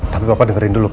tapi papa dengerin dulu pak